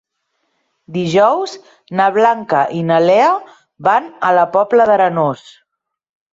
Dijous na Blanca i na Lea van a la Pobla d'Arenós.